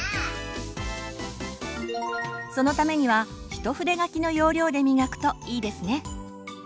そのためには一筆書きの要領でみがくといいですね。